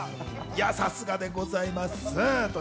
さすがでございます。